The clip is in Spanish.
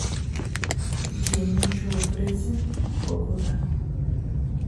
Quien mucho ofrece, poco da